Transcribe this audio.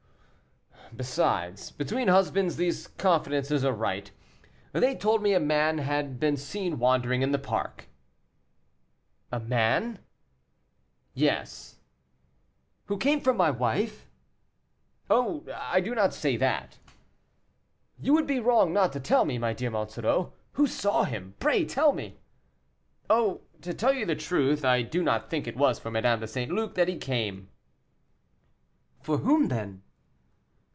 "Besides, between husbands, these confidences are right; they told me a man had been seen wandering in the park." "A man." "Yes." "Who came for my wife?" "Oh! I do not say that." "You would be wrong not to tell me, my dear Monsoreau. Who saw him? pray tell me." "Oh! to tell you the truth, I do not think it was for Madame de St. Luc that he came." "For whom, then?"